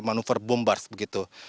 manuver bombars begitu